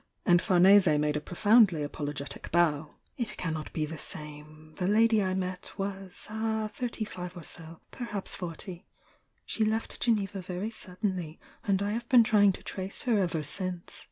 "— and Farnese made a profoundly apologetic bow— "it cannot be the same. The lady I met was— ah! — thirty five or so — perhaps forty. She left Geneva very suddenly, and I have been try ing to trace her ever since."